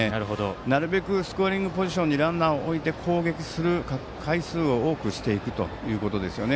なるべくスコアリングポジションにランナーを置いて攻撃する回数を多くしていくということですよね。